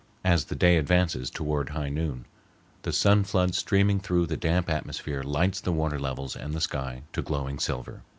As the day advances toward high noon, the sun flood streaming through the damp atmosphere lights the water levels and the sky to glowing silver.